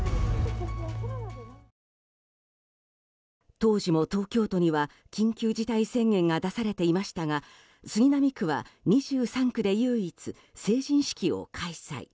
当時も東京都には緊急事態宣言が出されていましたが杉並区は２３区で唯一成人式を開催。